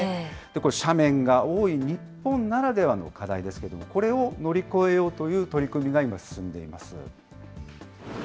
これ、斜面が多い日本ならではの課題ですけれども、これを乗り越えようという取り組みが今、進んでいます。